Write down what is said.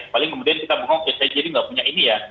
paling kemudian kita bohong ya saya jadi nggak punya ini ya